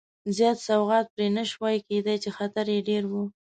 زیات سوقیات پرې نه شوای کېدای چې خطر یې ډېر و.